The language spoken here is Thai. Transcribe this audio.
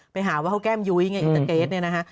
ไปหาว่าเขาแก้มยุ้ยไงอีกตั้งเกรทนี่นะคะ